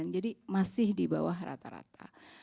jadi masih di bawah rata rata